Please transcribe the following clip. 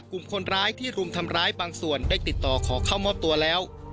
กลุ่มคนร้ายที่รุมทำร้ายบางส่วนได้ติดต่อขอเข้ามอบตัวแล้ว